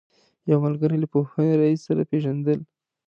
یو ملګري له پوهنې رئیس سره پېژندل.